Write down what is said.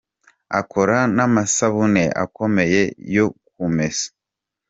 Akora n’ amasabune akomeye yo kumesa.